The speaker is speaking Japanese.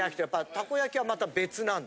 たこ焼きはまた別なんだ。